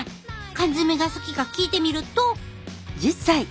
缶詰が好きか聞いてみると。